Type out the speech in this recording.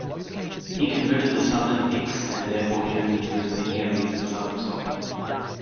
He converted the Southern Picts and therefore journeyed through many areas in southern Scotland.